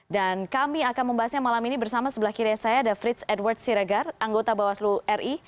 dan kami akan membahasnya malam ini bersama sebelah kiri saya ada frits edward siregar anggota bawaslu ri